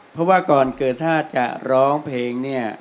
เพราะว่าก่อนเกิดถ้าจะร้องเพลงเนี่ย